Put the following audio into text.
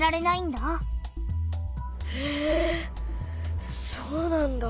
えそうなんだ。